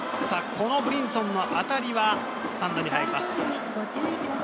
このブリンソンの当たりはスタンドに入ります。